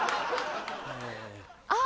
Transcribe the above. あっ！